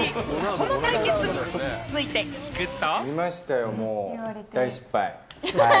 この対決について聞くと。